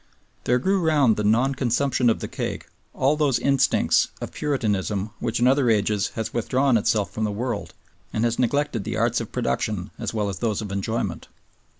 There grew round the non consumption of the cake all those instincts of puritanism which in other ages has withdrawn itself from the world and has neglected the arts of production as well as those of enjoyment.